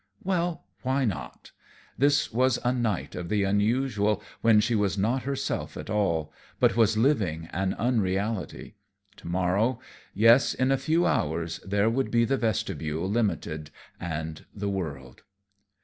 Well, why not? This was a night of the unusual, when she was not herself at all, but was living an unreality. To morrow, yes, in a few hours, there would be the Vestibule Limited and the world.